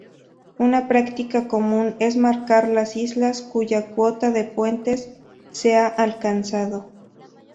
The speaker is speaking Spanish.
Una práctica común es marcar las islas cuya cuota de puentes se ha alcanzado.